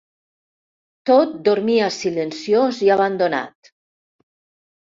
Tot dormia silenciós i abandonat.